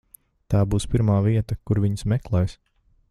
Tā būs pirmā vieta, kur viņus meklēs.